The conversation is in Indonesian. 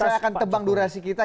baik saya akan tebang durasi kita